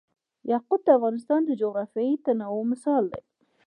یاقوت د افغانستان د جغرافیوي تنوع مثال دی.